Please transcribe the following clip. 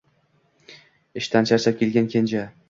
Ishdan charchab kelgan Kenja.